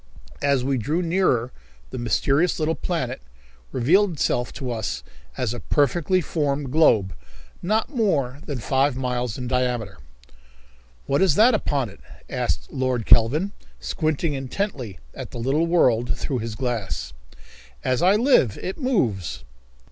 As we drew nearer the mysterious little planet revealed itself to us as a perfectly formed globe not more than five miles in diameter. "What is that upon it?" asked Lord Kelvin, squinting intently at the little world through his glass. "As I live, it moves."